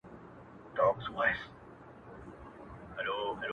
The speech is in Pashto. o ادم خان دي په نظر گوروان درځي٫